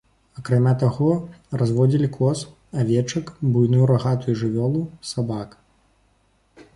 Акрамя таго, разводзілі коз, авечак, буйную рагатую жывёлу, сабак.